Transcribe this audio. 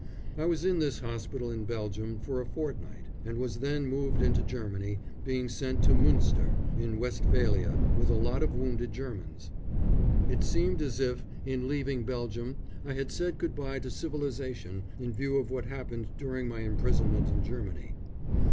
I was in this hospital in Belgium for a fortnight, and was then moved into Germany, being sent to Münster, in Westphalia, with a lot of wounded Germans. It seemed as if, in leaving Belgium, I had said good bye to civilisation, in view of what happened during my imprisonment in Germany.